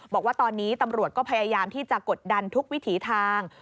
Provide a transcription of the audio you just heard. บอกว่าตอนนี้ตำรวจก็พยายามที่จะกดดันทุกวิถีทาง